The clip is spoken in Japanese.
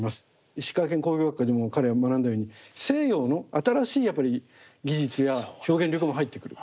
石川県工業学校でも彼が学んだように西洋の新しいやっぱり技術や表現力も入ってくる。